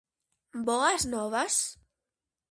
-Boas novas?